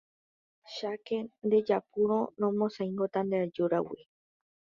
cháke ndejapúrõ romosãingokáta nde ajúrigui.